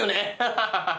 ハハハ！